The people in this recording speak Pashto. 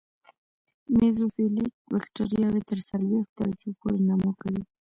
میزوفیلیک بکټریاوې تر څلوېښت درجو پورې نمو کوي.